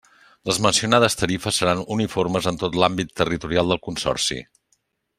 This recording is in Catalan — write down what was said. Les mencionades tarifes seran uniformes en tot l'àmbit territorial del Consorci.